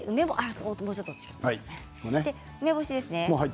梅干しですね。